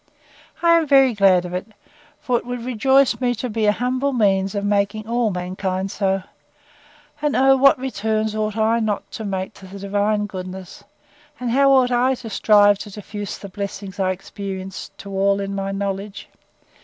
I am very glad of it; for it would rejoice me to be an humble means of making all mankind so: And oh! what returns ought I not to make to the divine goodness! and how ought I to strive to diffuse the blessings I experience, to all in my knowledge!